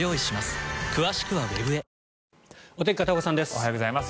おはようございます。